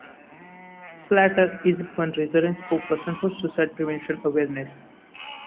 Slater is a fundraiser and spokesperson for suicide prevention awareness.